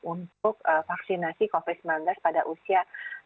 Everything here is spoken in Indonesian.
untuk vaksinasi covid sembilan belas pada usia